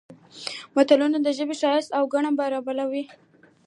متلونه د ژبې ښایست او ګاڼه بلل کیږي